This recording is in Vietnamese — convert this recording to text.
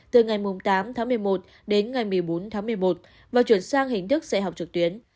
từ ngày tám tháng một mươi một đến ngày một mươi bốn tháng một mươi một và chuyển sang hình thức dạy học trực tuyến